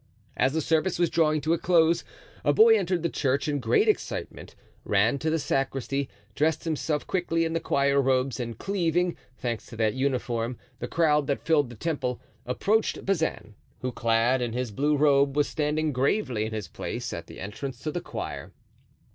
As the service was drawing to a close a boy entered the church in great excitement, ran to the sacristy, dressed himself quickly in the choir robes, and cleaving, thanks to that uniform, the crowd that filled the temple, approached Bazin, who, clad in his blue robe, was standing gravely in his place at the entrance to the choir.